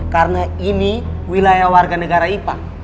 karena ini wilayah warga negara ipang